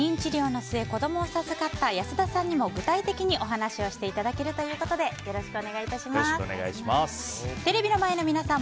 今日は不妊治療の末子供を授かった安田さんにも具体的にお話ししていただけるということでよろしくお願いします。